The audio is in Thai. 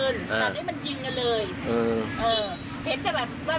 เห็นแต่แบบว่าเราฟักปืนมาแล้วปาดกัน